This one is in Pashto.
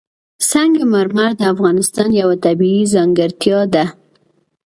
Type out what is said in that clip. سنگ مرمر د افغانستان یوه طبیعي ځانګړتیا ده.